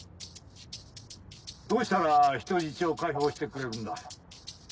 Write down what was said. どうしたら人質を解放してくれるんだ？